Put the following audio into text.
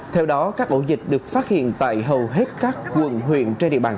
theo đó các ổ dịch được phát hiện tại hầu hết các quận huyện trên địa bàn